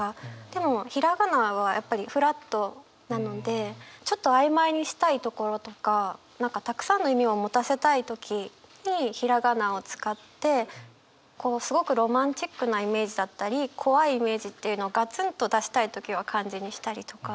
でもひらがなはやっぱりフラットなのでちょっと曖昧にしたいところとか何かたくさんの意味を持たせたい時にひらがなを使ってすごくロマンチックなイメージだったり怖いイメージっていうのをガツンと出したい時は漢字にしたりとか。